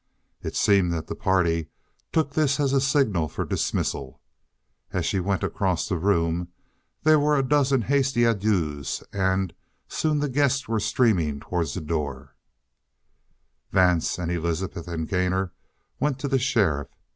It seemed that the party took this as a signal for dismissal. As she went across the room, there were a dozen hasty adieus, and soon the guests were streaming towards the doors. Vance and Elizabeth and Gainor went to the sheriff.